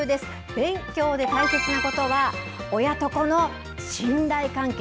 勉強で大切なことは、親と子の信頼関係。